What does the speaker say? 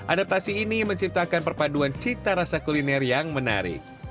adaptasi ini menciptakan perpaduan cita rasa kuliner yang menarik